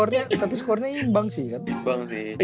tapi skornya imbang sih kan